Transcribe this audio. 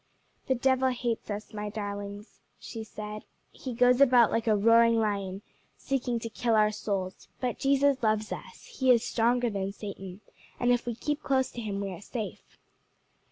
"The devil hates us, my darlings," she said; "he goes about like a roaring lion, seeking to kill our souls; but Jesus loves us, he is stronger than Satan, and if we keep close to him we are safe."